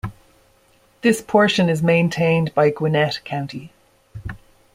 This portion is maintained by Gwinnett County.